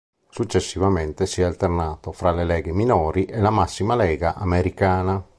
Successivamente si è alternato fra le leghe minori e la massima lega americana.